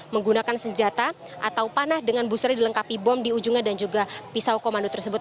menggunakan senjata atau panah dengan busurnya dilengkapi bom di ujungnya dan juga pisau komando tersebut